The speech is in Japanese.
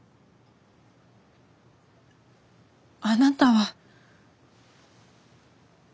あなたは。